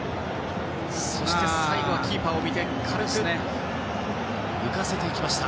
そして最後はキーパーを見て軽く浮かせてきました。